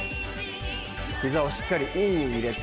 ひざをしっかりとインに入れて。